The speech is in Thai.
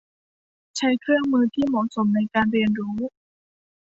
ใช้เครื่องมือที่เหมาะสมในการเรียนรู้